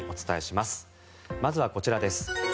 まずはこちらです。